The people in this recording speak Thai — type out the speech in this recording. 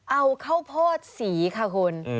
เอาข้าวโพดสีค่ะคุณ